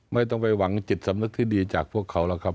ไม่ต้องไปหวังจิตสำนึกที่ดีจากพวกเขาหรอกครับ